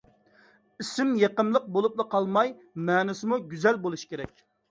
ئىسىم يېقىملىق بولۇپلا قالماي، مەنىسىمۇ گۈزەل بولۇشى كېرەك.